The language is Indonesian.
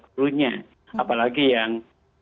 perutnya apalagi yang